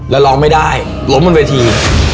แล้วร้องไม่ได้ล้มบนเวที